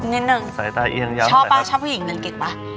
นิดนึงชอบป่ะชอบผู้หญิงเรียนเก่งป่ะ